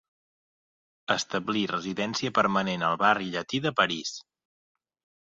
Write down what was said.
Establí residència permanent al barri Llatí de París.